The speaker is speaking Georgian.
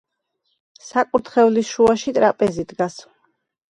საკურთხევლის შუაში ტრაპეზი დგას.